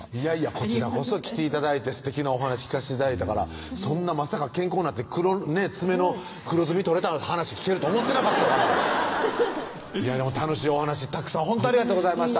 こちらこそ来て頂いてすてきなお話聞かせて頂いたからそんなまさか健康になって爪の黒ずみ取れた話聞けるとは思ってなかったから楽しいお話たくさんほんとありがとうございました